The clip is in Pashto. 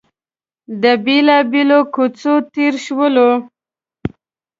له بېلابېلو کوڅو تېر شولو.